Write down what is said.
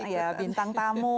ya bintang tamu